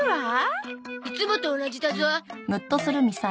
いつもと同じだゾ。